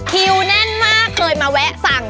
แน่นมากเคยมาแวะสั่ง